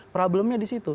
problemnya di situ